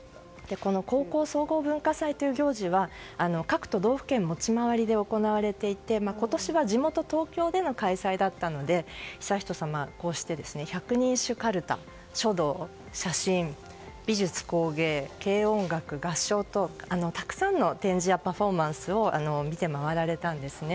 高校総合文化祭という行事は各都道府県持ち回りで行われていて今年は地元・東京での開催だったので悠仁さまは百人一首かるた、書道、写真美術・工芸、軽音楽、合唱とたくさんの展示やパフォーマンスを見て回られたんですね。